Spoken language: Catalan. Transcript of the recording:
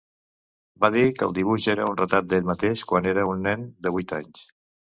Va dir que el dibuix era un retrat d'ell mateix quan era un nen de vuit anys.